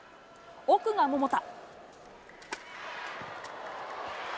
奥が桃田。